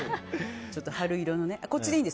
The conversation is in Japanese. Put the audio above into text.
ちょっと春色のね。